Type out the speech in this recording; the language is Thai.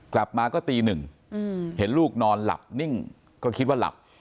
กลับมาก็ตีหนึ่งเห็นลูกนอนหลับนิ่งก็คิดว่าหลับ